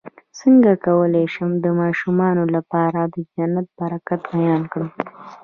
څنګه کولی شم د ماشومانو لپاره د جنت د برکت بیان کړم